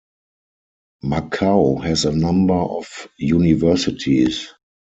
Macau has a number of universities.